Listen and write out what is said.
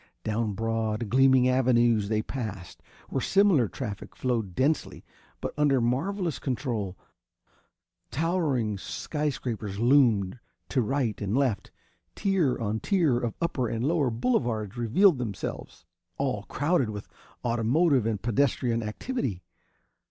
Down broad, gleaming avenues they passed, where similar traffic flowed densely, but under marvelous control. Towering skyscrapers loomed to right and left. Tier on tier of upper and lower boulevards revealed themselves, all crowded with automotive and pedestrian activity.